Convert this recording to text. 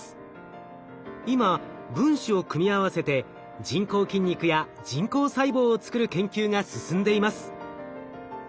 今分子を組み合わせて人工筋肉や人工細胞を作る研究が進んでいます。